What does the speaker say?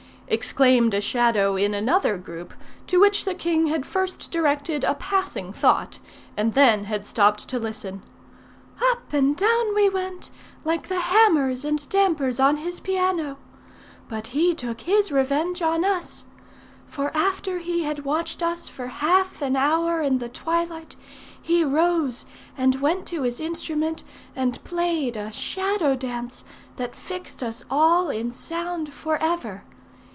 exclaimed a Shadow in another group, to which the king had first directed a passing thought, and then had stopped to listen. "Up and down we went, like the hammers and dampers on his piano. But he took his revenge on us. For after he had watched us for half an hour in the twilight, he rose and went to his instrument, and played a shadow dance that fixed us all in sound for ever.